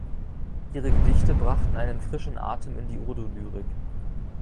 Ihre Gedichte brachten einen frischen Atem in die Urdu-Lyrik.